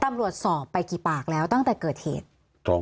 ตำรวจสอบไปกี่ปากแล้วตั้งแต่เกิดเหตุ